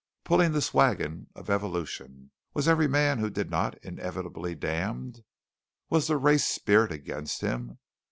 Pulling this wagon of evolution! Was every man who did not inevitably damned? Was the race spirit against him?